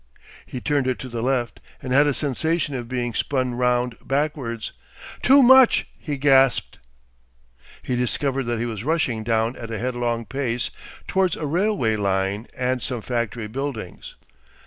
He turned it to the left and had a sensation of being spun round backwards. "Too much!" he gasped. He discovered that he was rushing down at a headlong pace towards a railway line and some factory buildings.